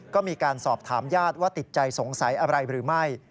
ก็มีการสอบถามญาติว่าติดใจสงสัยอะไรหรือไม่